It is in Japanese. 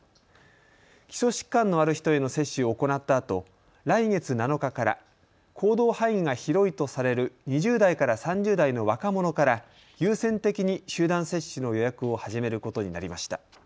基礎疾患のある人への接種を行ったあと来月７日から行動範囲が広いとされる２０代から３０代の若者から優先的に集団接種の予約を始めることになりました。